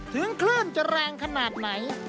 คลื่นจะแรงขนาดไหน